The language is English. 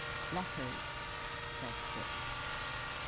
"Letters," said Fitz.